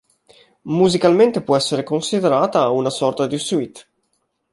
Musicalmente può essere considerata una sorta di "suite".